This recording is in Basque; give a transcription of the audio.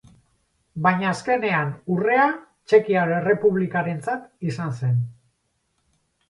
Baina azkenean urrea Txekiar Errepublikarentzat izan zen.